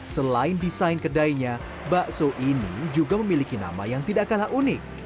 selain desain kedainya bakso ini juga memiliki nama yang tidak kalah unik